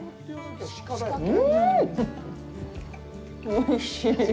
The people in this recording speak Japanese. おいしい。